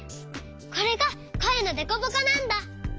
これがこえのデコボコなんだ。